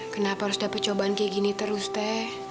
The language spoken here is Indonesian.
kenapa harus dapet cobaan kayak gini terus te